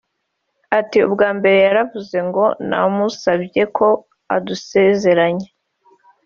ati “Ubwa mbere yaravuze ngo namusabye ko adusezeranya